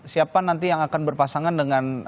siapa nanti yang akan berpasangan dengan